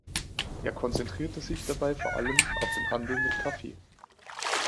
Er konzentrierte sich dabei vor allem auf den Handel mit Kaffee.